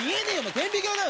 顕微鏡だよ